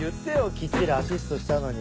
きっちりアシストしたのに。